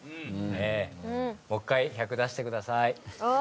もう１回１００出してください。